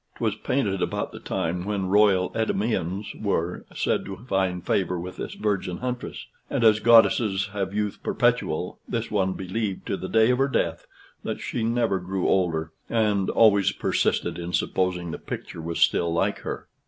'Twas painted about the time when royal Endymions were said to find favor with this virgin huntress; and, as goddesses have youth perpetual, this one believed to the day of her death that she never grew older: and always persisted in supposing the picture was still like her.